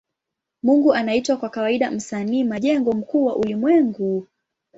Mungu anaitwa kwa kawaida Msanii majengo mkuu wa ulimwengu.